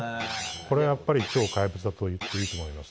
これはやっぱり怪物だと言っていいと思います。